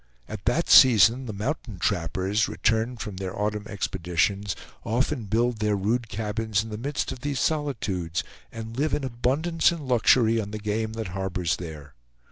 At that season the mountain trappers, returned from their autumn expeditions, often build their rude cabins in the midst of these solitudes, and live in abundance and luxury on the game that harbors there.